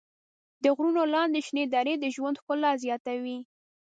د غرونو لاندې شنې درې د ژوند ښکلا زیاتوي.